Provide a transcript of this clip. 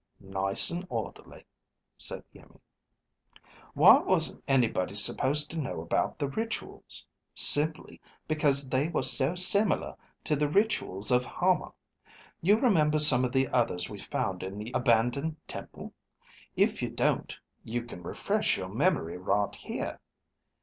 Nice and orderly," said Iimmi. "Why wasn't anybody supposed to know about the rituals? Simply because they were so similar to the rituals of Hama. You remember some of the others we found in the abandoned temple? If you don't, you can refresh your memory right here.